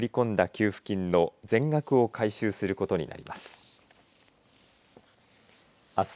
給付金の全額を回収することになります。